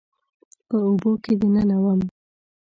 په اوبو کې دننه وم